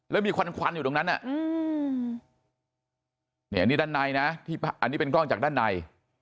แล้วมีควันอยู่ตรงนั้นอันนี้ด้านในนะที่อันนี้เป็นกล้องจากด้านใน